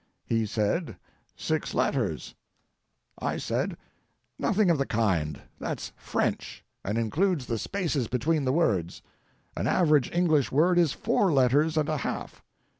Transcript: He said, "Six letters." I said, "Nothing of the kind; that's French, and includes the spaces between the words; an average English word is four letters and a half.